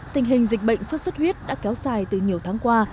tình hình dịch bệnh xuất xuất huyết đã kéo dài từ nhiều tháng qua